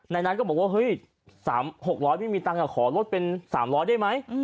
นั้นก็บอกว่าเฮ้ย๖๐๐ไม่มีตังค์ขอลดเป็น๓๐๐ได้ไหม